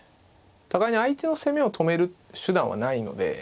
互いに相手の攻めを止める手段はないので。